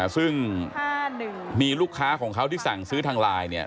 ซึ่งมีลูกค้าของเขาที่สั่งซื้อทางไลน์เนี่ย